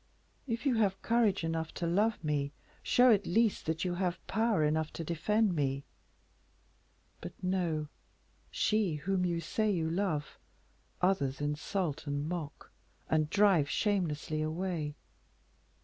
If you have courage enough to love me, show at least that you have power enough to defend me. But no; she whom you say you love, others insult and mock, and drive shamelessly away."